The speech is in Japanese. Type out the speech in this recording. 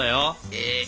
えっ？